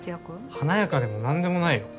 華やかでも何でもないよ。